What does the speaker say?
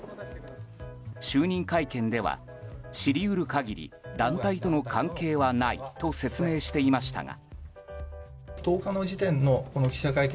就任会見では、知り得る限り団体との関係はないと説明していましたが。